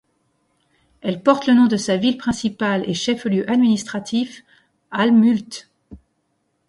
Elle porte le nom de sa ville principale et chef-lieu administratif, Älmhult.